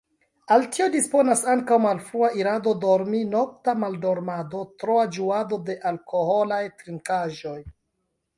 Al tio disponas ankaŭ malfrua irado dormi, nokta maldormado, troa ĝuado de alkoholaj trinkaĵoj.